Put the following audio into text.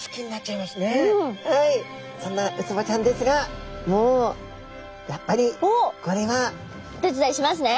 そんなウツボちゃんですがもうやっぱりこれはお手伝いしますね。